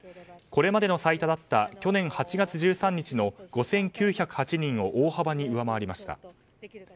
これまでの最多だった去年８月１３日の５９０８人を大幅に上回りました。